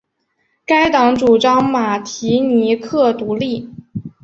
该党主张马提尼克独立。